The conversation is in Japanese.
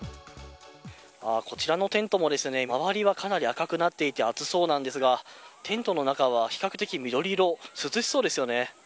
こちらのテントも周りはかなり高くなっていて暑そうなんですがテントの中は比較的緑色涼しそうですよね。